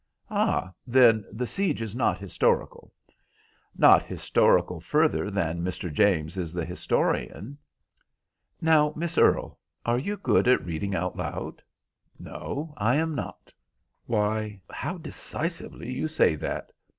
"Ah, then the siege is not historical?" "Not historical further than Mr. James is the historian." "Now, Miss Earle, are you good at reading out loud?" "No, I am not." "Why, how decisively you say that.